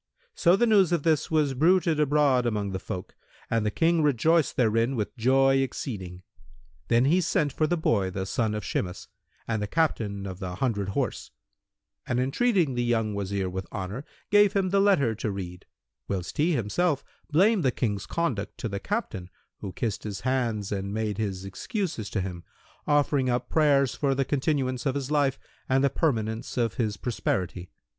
So the news of this was bruited abroad among the folk and the King rejoiced therein with joy exceeding. Then he sent for the boy, the son of Shimas, and the Captain of the hundred horse; and, entreating the young Wazir with honour, gave him the letter to read; whilst he himself blamed the King's conduct to the Captain who kissed his hands and made his excuses to him, offering up prayers for the continuance of his life and the permanence of his prosperity.